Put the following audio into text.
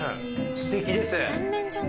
すてきです。